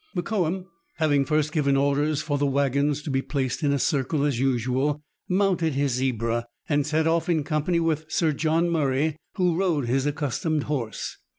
Mokoum having first given orders for the waggons to be placed in a circle as usual, mounted his zebra, and set off in company with Sir John Murray, who rode his accustomed horse.